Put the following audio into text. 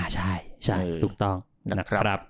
ใช่ถูกต้อง